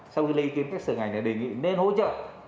sau khi lấy ý kiến các sở ngành đề nghị nên hỗ trợ